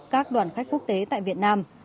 các đoàn khách quốc tế tại việt nam